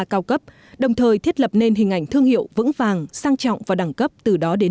cao cấp đồng thời thiết lập nên hình ảnh thương hiệu vững vàng sang trọng và đẳng cấp từ đó đến